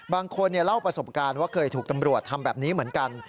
บางคนเล่าประสบการณ์ว่าเคยถูกตำรวจทำแบบนี้เหมือนกัน